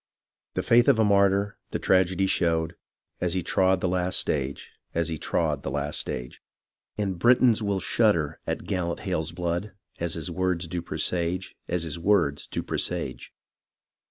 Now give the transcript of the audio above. The faith of a martyr, the trajedy shewed. As he trod the last stage ; as he trod the last stage. And Britons will shudder at gallant Hale's blood. As his words do presage, as his words do presage.